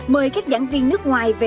mời các giảng viên nước ngoài về